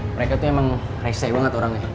mereka tuh emang rese banget orangnya